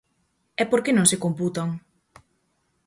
¿E por que non se computan?